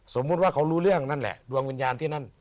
สมมุติว่าเขารู้เรื่องนั่นแหละดวงวิญญาณที่นั่น